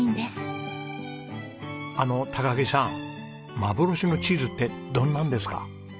あの木さん幻のチーズってどんなのですか？